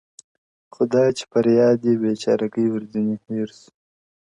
خو دا چي فريادي بېچارگى ورځيني هېــر سـو،